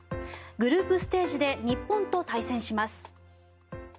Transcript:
グループステージで日本と対戦します。